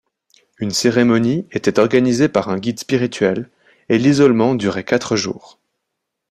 Une cérémonie était organisée par un guide spirituel et l'isolement durait quatre jours.